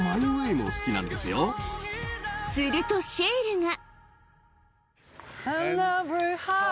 するとシェールが